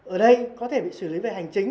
ở đây có thể bị xử lý về hành chính